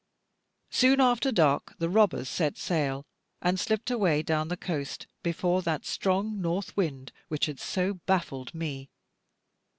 Soon after dark the robbers set sail, and slipped away down the coast, before that strong north wind which had so baffled me.